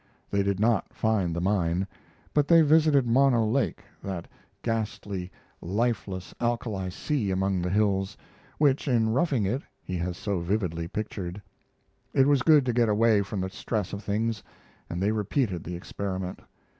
They did not find the mine, but they visited Mono Lake that ghastly, lifeless alkali sea among the hills, which in 'Roughing It' he has so vividly pictured. It was good to get away from the stress of things; and they repeated the experiment.